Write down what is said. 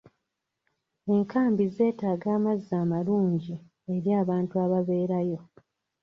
Enkambi zeetaaga amazzi amalungi eri abantu ababeera yo.